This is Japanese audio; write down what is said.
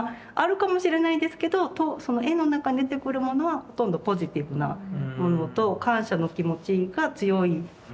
あるかもしれないんですけど絵の中に出てくるものはほとんどポジティブなものと感謝の気持ちが強い。